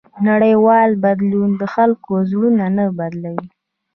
نړیوال بدلون د خلکو زړونه نه بدلوي.